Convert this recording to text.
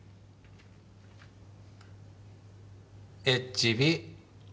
Ｈ・Ｂ！